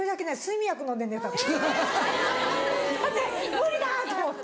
無理だ！と思って。